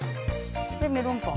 メロンパン？